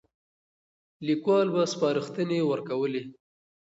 ليکوال به سپارښتنې ورکولې.